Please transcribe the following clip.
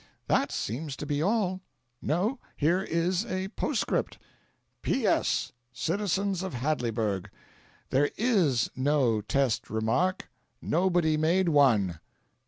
That seems to be all. No here is a postscript: "'P.S. CITIZENS OF HADLEYBURG: There IS no test remark nobody made one.